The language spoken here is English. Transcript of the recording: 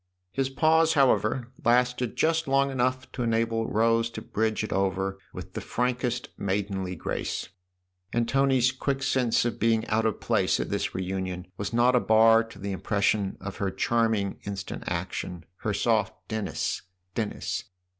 His pause, however, lasted but just long enough to enable Rose to bridge it over with the frankest maidenly grace ; and Tony's quick sense of being out of place at this reunion was not a bar to the im pression of her charming, instant action, her soft " Dennis, Dennis